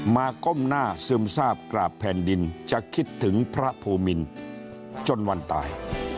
ก้มหน้าซึมทราบกราบแผ่นดินจะคิดถึงพระภูมินจนวันตาย